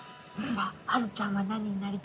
はるちゃんは何になりたいですか？